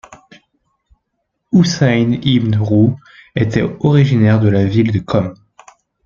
Houssain ibn Rouh était originaire de la ville de Qom.